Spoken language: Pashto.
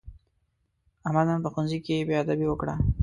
احمد نن په ښوونځي کې بېادبي وکړه.